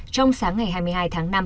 trong sáng ngày hai mươi hai tháng năm